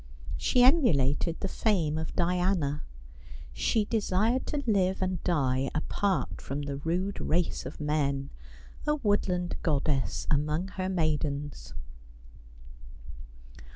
She emulated the fame of Diana. She desired to live and die apart from the rude race of men — a woodland goddess among her maidens.